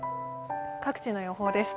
各地の予報です。